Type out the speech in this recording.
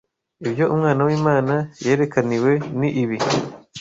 Ibyo Umwana w’Imana yerekaniwe ni ibi